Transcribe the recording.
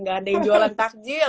gak ada yang jualan takjil